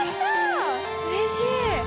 うれしい。